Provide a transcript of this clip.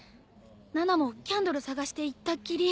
ナナもキャンドル探して行ったっきり。